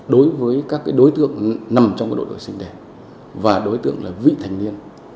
đối với các đối tượng nằm trong độ tuổi sinh đẻ và đối tượng là vị thành niên